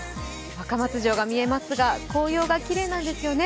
若松城が見えますが、紅葉がきれいなんですよね。